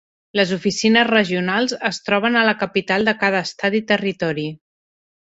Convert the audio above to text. Les oficines regionals es troben a la capital de cada estat i territori.